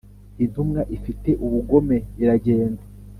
intumwa ifite ubugome iragenda